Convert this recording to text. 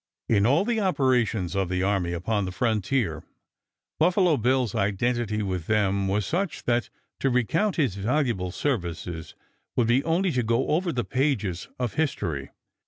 In all the operations of the army upon the frontier Buffalo Bill's identity with them was such that to recount his valuable services would be only to go over the pages of history.